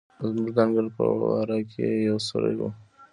زموږ د انګړ په وره کې یو سورى و.